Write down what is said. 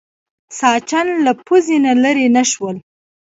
ساسچن له پوزې نه لرې نه شول.